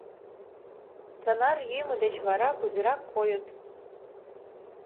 Тынар йӱмӧ деч вара кузерак койыт?